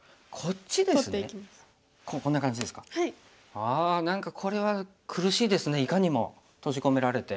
あ何かこれは苦しいですねいかにも閉じ込められて。